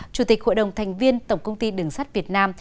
chủ tịch hội đồng thành viên tổng công ty đường sắt việt nam